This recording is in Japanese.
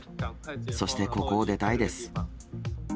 そしてここを出たいです。